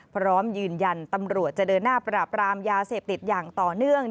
พร้อมยืนยันตำรวจจะเดินหน้าปราบรามยาเสพติดอย่างต่อเนื่อง